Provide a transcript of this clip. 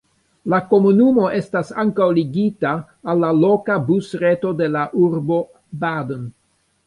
La komunumo estas ankaŭ ligita al la loka busreto de la urbo Baden.